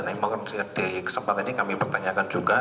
jadi mungkin di kesempatan ini kami pertanyakan juga